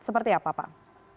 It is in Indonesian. seperti apa pak